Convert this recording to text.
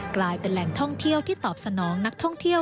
กลายเป็นแหล่งท่องเที่ยวที่ตอบสนองนักท่องเที่ยว